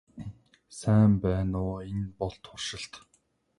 When grown in sunlight it is dark green.